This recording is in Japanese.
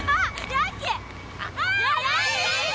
ヤッキー！